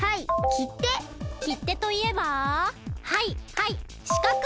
きってといえばはいはいしかく！